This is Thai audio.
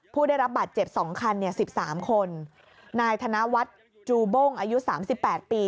ผู้ได้รับบาดเจ็บสองคันเนี่ยสิบสามคนนายธนวัฒน์จูบ้งอายุสามสิบแปดปี